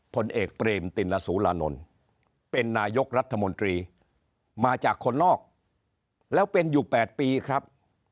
ผลเอกเปรมติลสุรานนท์เป็นนายกรัฐมนตรีมาจากคนนอกแล้วเป็นอยู่๘ปีครับ